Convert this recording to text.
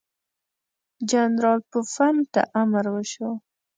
جنرال پوفم ته امر وشو.